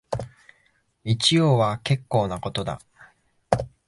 一応は結構なことだ